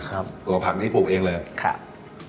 ตัวผักนี้ปลูกเองเลยใช่ครับ